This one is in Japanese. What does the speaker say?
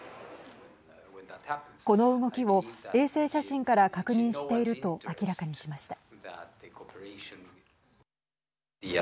この動きを衛星写真から確認していると明らかにしました。